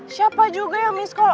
siapa juga ya miss call